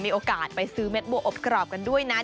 มีโอกาสไปซื้อเม็ดบัวอบกรอบกันด้วยนะ